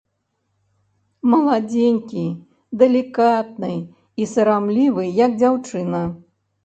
Маладзенькі, далікатны і сарамлівы, як дзяўчына.